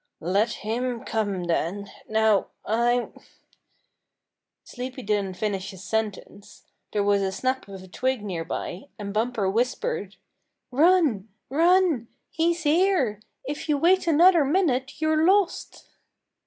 "Let him come then! Now I'm " Sleepy didn't finish his sentence. There was a snap of a twig nearby, and Bumper whispered: "Run! Run! He's here! If you wait another minute you're lost!"